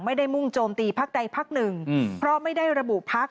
ไม่ได้มุ่งโจมตีพักใดพักหนึ่งเพราะไม่ได้ระบุพัก